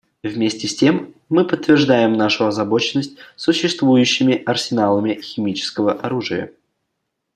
Вместе с тем мы подтверждаем нашу озабоченность существующими арсеналами химического оружия.